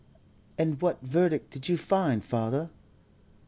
'" "And what verdict did you find, father?"